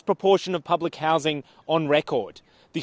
proporsi penduduk di luar negara di rekod